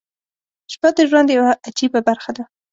• شپه د ژوند یوه عجیبه برخه ده.